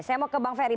saya mau ke bang ferry